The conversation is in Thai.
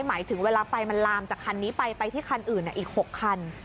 หมายถึงเวลาไฟมันลามจากคันนี้ไปไปที่คันอื่นอีก๖คัน